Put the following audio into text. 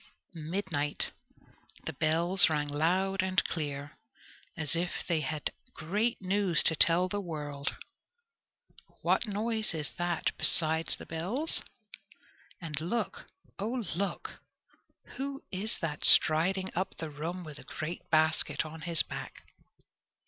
Midnight! The bells rang loud and clear, as if they had great news to tell the world. What noise is that besides the bells? And look, oh, look! who is that striding up the room with a great basket on his back?